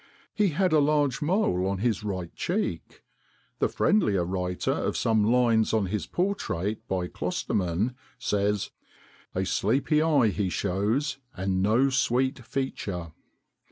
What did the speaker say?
He had a large mole on his right cheek. The friendly writer of some lines on his portrait by Closterman says: 'A sleepy eye he shows, and no sweet feature.